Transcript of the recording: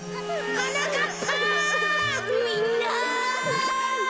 はなかっ